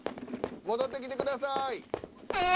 戻ってきてください。